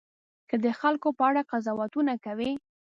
که د خلکو په اړه قضاوتونه کوئ.